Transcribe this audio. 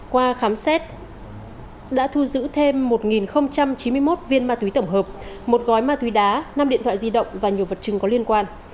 qua khám xét đã thu giữ thêm một chín mươi một viên ma túy tổng hợp một gói ma túy đá năm điện thoại di động và nhiều vật chứng có liên quan